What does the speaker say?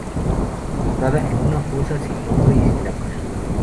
Fue sepultada en una fosa sin nombre y sin lápida.